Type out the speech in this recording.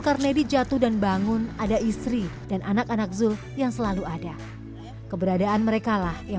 dan juga banyak yang tidak bisa dipercaya